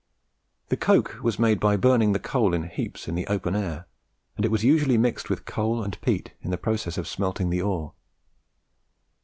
The coke was made by burning the coal in heaps in the open air, and it was usually mixed with coal and peat in the process of smelting the ore.